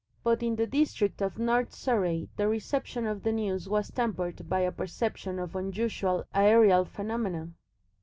But in the district of North Surrey the reception of the news was tempered by a perception of unusual aerial phenomena.